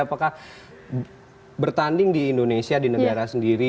apakah bertanding di indonesia di negara sendiri